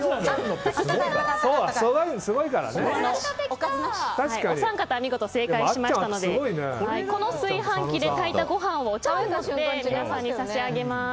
お三方は見事に正解しましたのでこの炊飯器で炊いたご飯を皆さんに差し上げます。